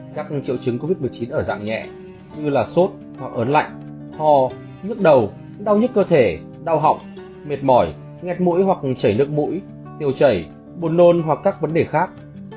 các triệu chứng covid một mươi chín ở dạng nhẹ như là sốt hoặc ớn lạnh ho nhức đầu đau nhức cơ thể đau họng mệt mỏi nghẹt mũi hoặc chảy nước mũi tiêu chảy buồn nôn hoặc các vấn đề khác